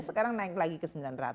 sekarang naik lagi ke sembilan ratus